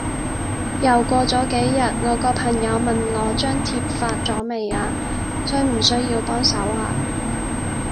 又過咗幾日，我個朋友問我張貼發咗未啊？需唔需要幫手啊？